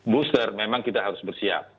booster memang kita harus bersiap